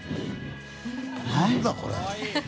何だこれ？